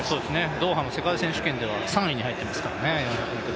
ドーハの世界選手権では３位に入っていますからね、４００ｍ。